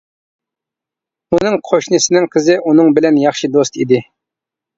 ئۇنىڭ قوشنىسىنىڭ قىزى ئۇنىڭ بىلەن ياخشى دوست ئىدى.